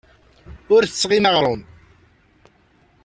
Ur d-tesɣim aɣrum.